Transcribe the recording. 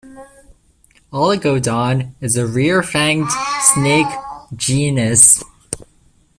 "Oligodon" is a rear-fanged snake genus.